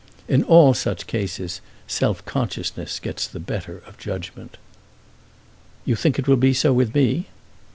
In all such cases self consciousness gets the better of the judgment." "You think it will be so with me?"